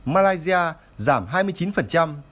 malaysia giảm hai mươi chín